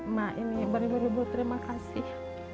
mak ini beribu ribu terima kasih